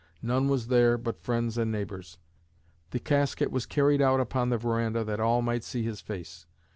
None was there but friends and neighbors. The casket was carried out upon the veranda that all might see his face.